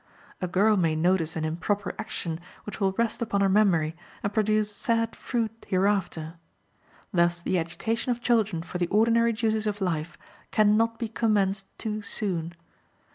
A girl may notice an improper action, which will rest upon her memory, and produce sad fruit hereafter. Thus the education of children for the ordinary duties of life can not be commenced too soon.